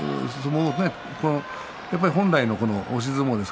本来、押し相撲です。